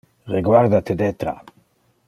Reguarda te detra.